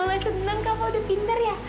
mama senang kava udah pinter ya